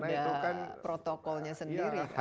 jadi ini harus ada protokolnya sendiri kan